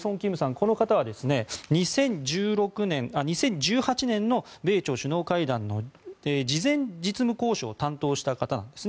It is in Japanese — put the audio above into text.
この方は２０１８年の米朝首脳会談の事前実務交渉を担当した方なんですね。